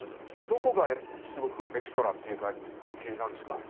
どこがすごくエクストラっていうか高級なんですかね？